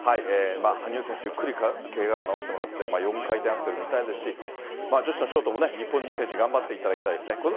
羽生選手、ゆっくりけがを治してもらって、４回転アクセル見たいですし、女子のショートも日本人選手頑張っていただきたいですね。